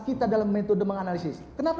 kita dalam metode menganalisis kenapa